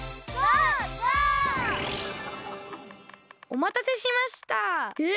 おまたせしましたえ！？